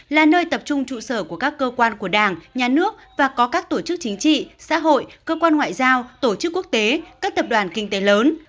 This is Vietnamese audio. là nơi tập trung trụ sở của các cơ quan của đảng nhà nước và có các tổ chức chính trị xã hội cơ quan ngoại giao tổ chức quốc tế các tập đoàn kinh tế lớn